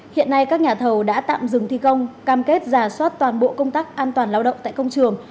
hiện nay các nhà thầu đã tạm dừng thi công cam kết giả soát toàn bộ công tác an toàn lao động tại công trường